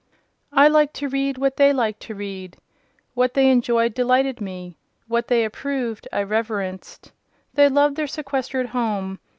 I liked to read what they liked to read: what they enjoyed, delighted me; what they approved, I reverenced. They loved their sequestered home.